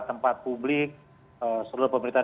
tempat publik seluruh pemerintah